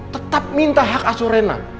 tetap minta hak asur rena